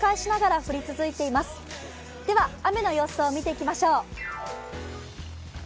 雨の様子を見ていきましょう。